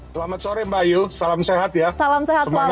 selamat sore mbak yu salam sehat ya